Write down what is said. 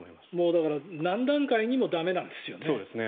だから、何段階にも駄目なんですよね。